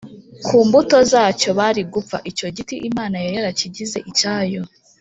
ku mbuto zacyo, bari gupfa. icyo giti imana yari yarakigize icyayo